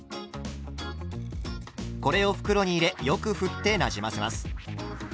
これを袋に入れよくふってなじませます。